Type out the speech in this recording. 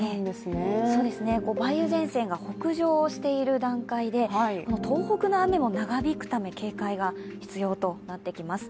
梅雨前線が北上している段階で、東北の雨も長引くため警戒が必要となってきます。